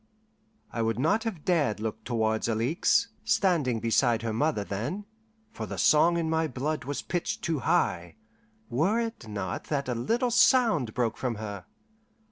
I would not have dared look towards Alixe, standing beside her mother then, for the song in my blood was pitched too high, were it not that a little sound broke from her.